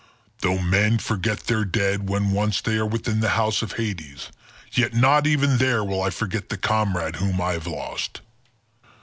Though men forget their dead when once they are within the house of Hades, yet not even there will I forget the comrade whom I have lost.